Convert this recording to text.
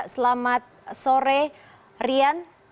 selamat sore rian